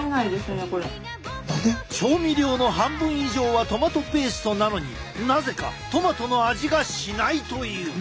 調味料の半分以上はトマトペーストなのになぜかトマトの味がしないという！